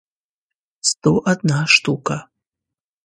сто одна штука